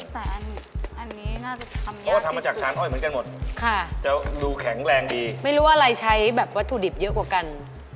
แต่อันนี้น่าจะทำยากที่สุดไม่รู้ว่าอะไรใช้แบบวัตถุดิบเยอะกว่ากัน